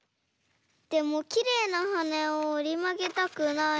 でもきれいなはねをおりまげたくないし。